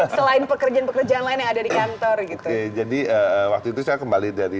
selain pekerjaan pekerjaan lain yang ada di kantor gitu jadi waktu itu saya kembali dari